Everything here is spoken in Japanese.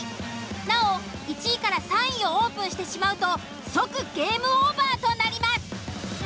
なお１位３位をオープンしてしまうと即ゲームオーバーとなります。